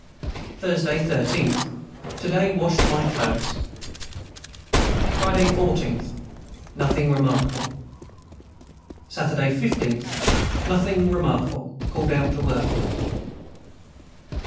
Thursday 13th. To day washed My Clothes. Friday 14th. Nothing remarkable. Saturday 15th. Nothing remarkable cald out to work.